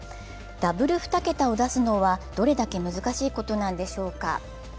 ダブル２桁を出すのはどれだけ難しいことなんでしょうか。